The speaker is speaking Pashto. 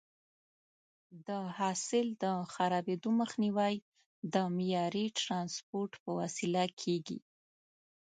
د حاصل د خرابېدو مخنیوی د معیاري ټرانسپورټ په وسیله کېږي.